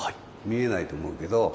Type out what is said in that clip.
見えないと思うけど。